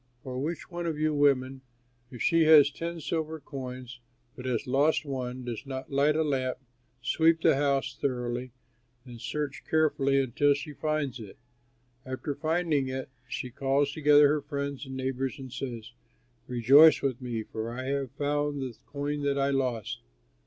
"Or which one of you women, if she has ten silver coins but has lost one, does not light a lamp, sweep the house thoroughly, and search carefully until she finds it? After finding it she calls together her friends and neighbors and says, 'Rejoice with me, for I have found the coin that I lost.'